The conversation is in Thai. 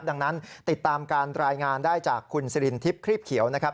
ดังนั้นติดตามการรายงานได้จากคุณสิรินทิพย์ครีบเขียวนะครับ